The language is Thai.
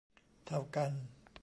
เท่ากัน